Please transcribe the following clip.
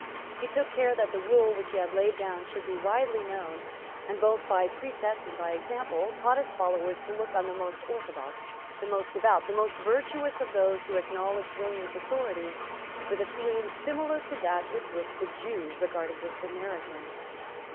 He took care that the rule which he had laid down should be widely known, and, both by precept and by example, taught his followers to look on the most orthodox, the most devout, the most virtuous of those who acknowledged William's authority with a feeling similar to that with which the Jew regarded the Samaritan.